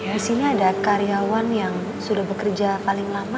di sini ada karyawan yang sudah bekerja paling lama